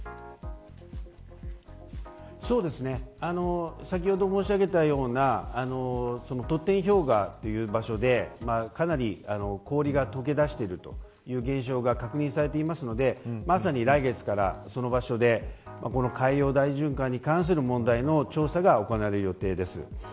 そうですね先ほど申し上げたような場所でかなり氷が解けだしているという現象が確認されているのでまさに来月から、その場所でこの海洋大循環に関する問題の調査が行われる予定です。